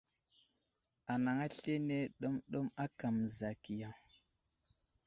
Anaŋ aslane ɗəmɗəm aka məzakiya.